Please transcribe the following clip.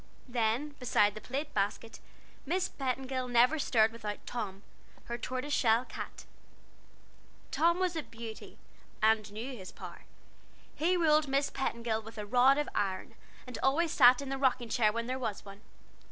Then, beside the plate basket, Miss Petingill never stirred without Tom, her tortoiseshell cat. Tom was a beauty, and knew his power; he ruled Miss Petingill with a rod of iron, and always sat in the rocking chair when there was one.